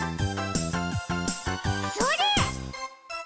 それ！